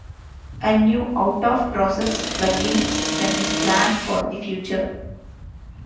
A new, out-of-process plugin system is planned for the future.